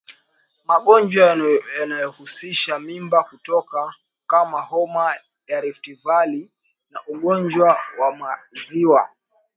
Magonjwa yanayohusisha mimba kutoka km Homa ya Rift Valley RVF na ugonjwa wa maziwa